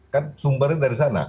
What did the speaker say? kan sumbernya dari sana